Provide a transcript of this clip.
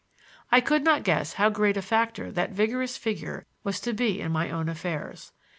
I could not guess how great a factor that vigorous figure was to be in my own affairs.